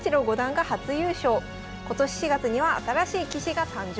今年４月には新しい棋士が誕生。